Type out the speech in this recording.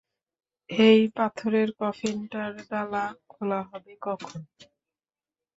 এই পাথরের কফিনটার ডালা খোলা হবে কখন?